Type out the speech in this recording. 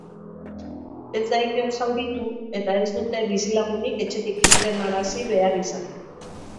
Ez da inor zauritu, eta ez dute bizilagunik etxetik irtenarazi behar izan.